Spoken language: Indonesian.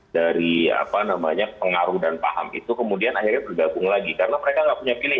dari pengaruh dan paham itu kemudian bergabung lagi karena mereka tidak punya pilihan